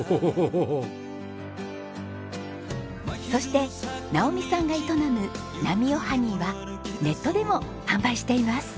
そして直美さんが営む７３０ＨＯＮＥＹはネットでも販売しています。